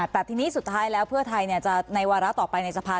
แต่ทีนี้สุดท้ายแล้วเพื่อไทยจะในวาระต่อไปในสภา